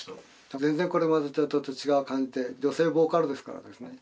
全然これまでとはちょっと違う感じで女性ボーカルですからですね